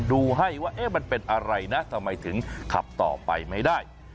ดูให้ว่ามันเป็นอะไรนะทำไมถึงขับต่อไปไม่ได้